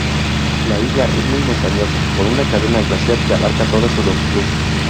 La isla es muy montañosa, con una cadena glaciar que abarca toda su longitud.